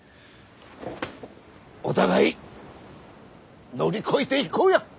お互い乗り越えていこうや。